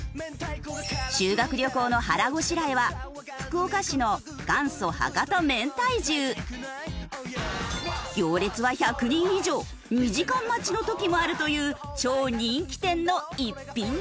修学旅行の腹ごしらえは福岡市の行列は１００人以上２時間待ちの時もあるという超人気店の逸品です。